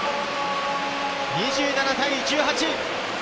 ２７対１８。